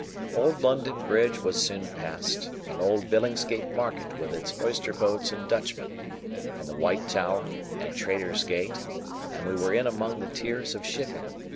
Old London Bridge was soon passed, and old Billingsgate Market with its oyster boats and Dutchmen, and the White Tower and Traitor's Gate, and we were in among the tiers of shipping.